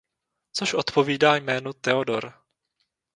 Což odpovídá jménu Theodor.